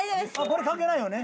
これ関係ないよね？